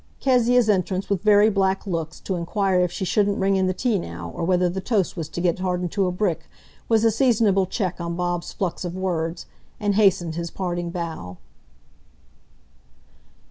Kezia's entrance, with very black looks, to inquire if she shouldn't bring in the tea now, or whether the toast was to get hardened to a brick, was a seasonable check on Bob's flux of words, and hastened his parting bow.